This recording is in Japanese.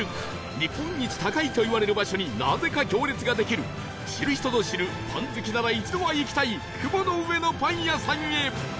日本一高いといわれる場所になぜか行列ができる知る人ぞ知るパン好きなら一度は行きたい雲の上のパン屋さんへ